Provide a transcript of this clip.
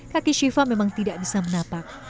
kaki shiva memang tidak bisa menapak